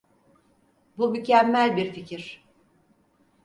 Bu mükemmel bir fikir.